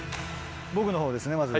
僕のほうですねまず。